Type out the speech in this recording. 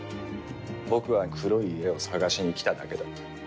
僕は黒い絵を探しに来ただけだ。